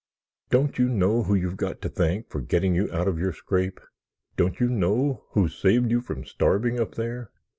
"Don't you know who you've got to thank for getting you out of your scrape? Don't you know who saved you from starving up there?